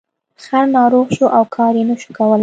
خر ناروغ شو او کار یې نشو کولی.